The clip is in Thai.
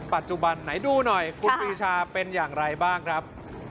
ปัจจุบันไหนดูหน่อยคุณปีชาเป็นอย่างไรบ้างครับ